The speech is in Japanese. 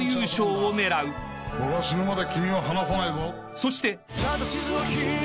［そして］